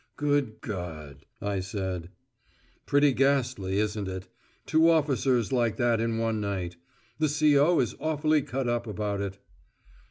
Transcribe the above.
"Good God," I said. "Pretty ghastly, isn't it? Two officers like that in one night. The C.O. is awfully cut up about it."